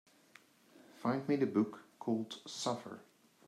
Find me the book called Suffer